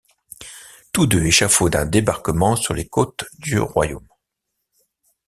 Tous deux échafaudent un débarquement sur les côtes du royaume.